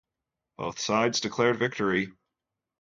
Both sides declared victory.